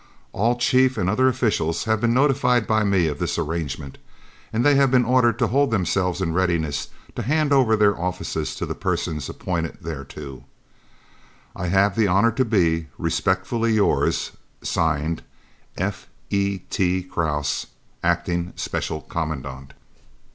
All chief and other officials have been notified by me of this arrangement, and they have been ordered to hold themselves in readiness to hand over their offices to the persons appointed thereto. "I have the honour to be, "Respectfully yours, "(Signed) F.E.T. KRAUSE. "Acting Special Commandant."